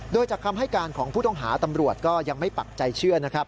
โดยจากคำให้การของผู้ต้องหาตำรวจก็ยังไม่ปักใจเชื่อนะครับ